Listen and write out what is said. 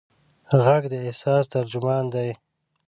غږ د احساس ترجمان دی.